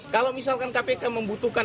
kalau misalkan kpk membutuhkan